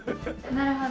なるほど。